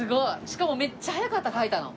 しかもめっちゃ早かった書いたの。